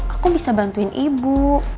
aku bisa bantuin ibu